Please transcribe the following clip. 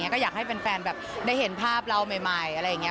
ก็อยากให้เป็นแฟนได้เห็นภาพเราใหม่